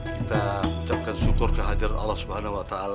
kita ucapkan syukur kehadiran allah swt